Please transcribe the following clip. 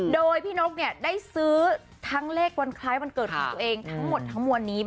โดยพี่นกได้ซื้อทั้งเลขวันคล้ายวันเกิดของตัวเองทั้งหมดทั้งมวลนี้